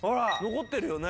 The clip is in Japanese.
残ってるよね？